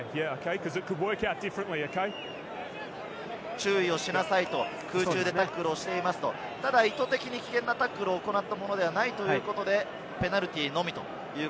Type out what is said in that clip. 注意しなさい、空中でタックルしていますと、ただ意図的に危険なタックルを行ったのではないということで、ペナルティーのみ。